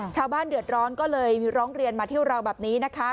ชาวบ้านเดือดร้อนก็เลยร้องเรียนมาเที่ยวเราแบบนี้นะคะ